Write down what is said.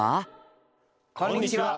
こんにちは！